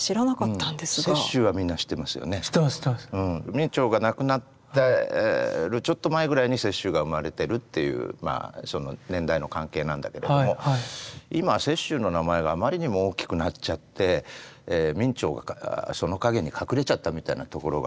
明兆が亡くなってるちょっと前ぐらいに雪舟が生まれてるっていう年代の関係なんだけれども今雪舟の名前があまりにも大きくなっちゃって明兆がその影に隠れちゃったみたいなところがあるけれどもね。